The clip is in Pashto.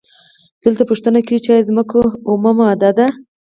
دلته پوښتنه کیږي چې ایا ځمکه اومه ماده ده؟